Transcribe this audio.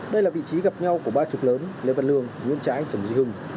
đây là vị trí gặp nhau của ba trục lớn lê văn lương nguyên trãi trần duy hưng